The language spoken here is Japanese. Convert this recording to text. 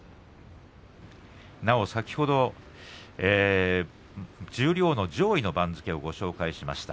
なお先ほど十両の上位の番付をご紹介しました。